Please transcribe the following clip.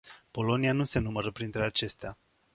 Polonia nu se numără printre acestea.